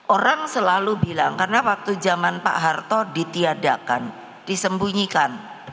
orang selalu bilang karena waktu zaman pak harto ditiadakan disembunyikan